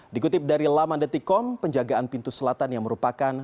dikutip dari laman detikom penjagaan pintu selatan yang merupakan